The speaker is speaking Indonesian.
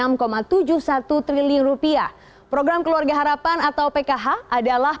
dan yang terakhir adalah program keluarga harapan atau pkh